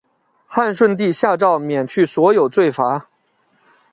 汉顺帝下诏免去所有罪罚。